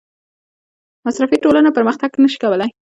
مصرفي ټولنه پرمختګ نشي کولی.